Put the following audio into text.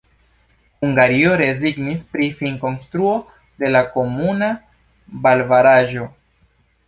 Hungario rezignis pri finkonstruo de la komuna valbaraĵo.